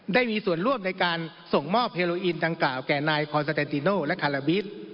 ได้มีส่วนร่วมในการส่งมอบเฮโลอีนดังกล่าวแก่นายคอนสเตนติโน่และคาราบิท